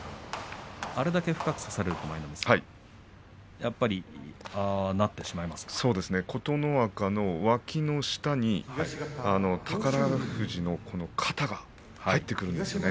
あそこまで深く差されると琴ノ若のわきの下に宝富士の肩が入ってくるんですよね。